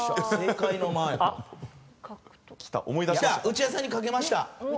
内田さんに賭けました。